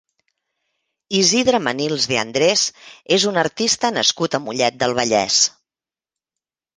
Isidre Manils de Andrés és un artista nascut a Mollet del Vallès.